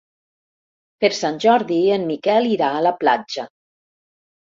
Per Sant Jordi en Miquel irà a la platja.